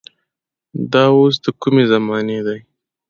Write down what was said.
دا اوس د کومې زمانې دي.